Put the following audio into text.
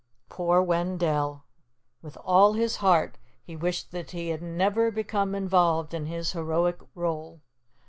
Poor Wendell! With all his heart he wished that he had never become involved in his heroic role.